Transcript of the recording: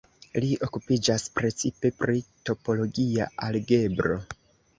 Li okupiĝas precipe pri topologia algebro.